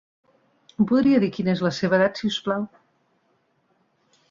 Em podria dir quina és la seva edat, si us plau?